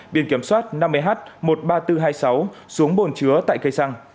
biển kiểm soát năm mươi h một mươi ba nghìn bốn trăm hai mươi sáu xuống bồn chứa tại cây xăng